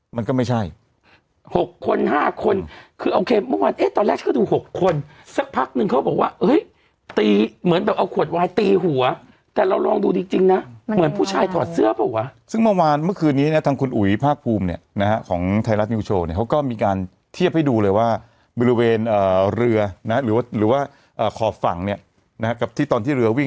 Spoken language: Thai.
มันก็ไม่ใช่๖คน๕คนคือโอเคเมื่อวันตอนแรกก็ดู๖คนสักพักนึงเขาบอกว่าเฮ้ยตีเหมือนแบบเอาขวดวายตีหัวแต่เราลองดูดีจริงนะเหมือนผู้ชายถอดเสื้อป่ะวะซึ่งเมื่อวานเมื่อคืนนี้เนี่ยทางคุณอุ๋ยภาคภูมิเนี่ยนะฮะของไทยร